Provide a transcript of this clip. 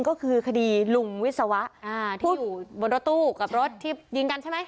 ก็คือคดีลุงวิศวะที่อยู่บนรถตู้กับรถที่ยิงกันใช่ไหม